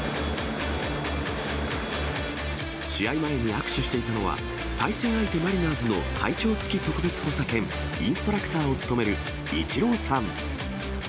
試合前に握手していたのは、対戦相手、マリナーズの会長付特別補佐兼インストラクターを務めるイチローさん。